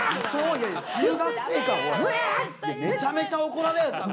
いやめちゃめちゃ怒られる。